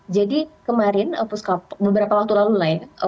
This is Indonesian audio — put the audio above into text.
jadi kemarin beberapa waktu lalu lah ya